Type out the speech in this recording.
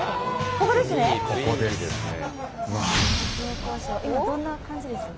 ここですね。